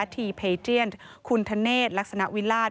ทีเพียนคุณธเนธลักษณะวิราช